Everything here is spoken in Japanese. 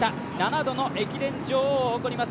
７度の駅伝女王を誇ります